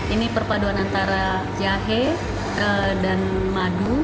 ini perpaduan antara jahe dan madu